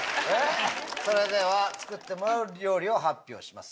それでは作ってもらう料理を発表します！